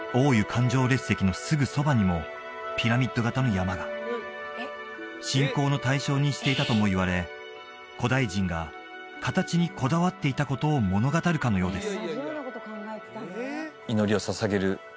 環状列石のすぐそばにもピラミッド形の山が信仰の対象にしていたともいわれ古代人が形にこだわっていたことを物語るかのようです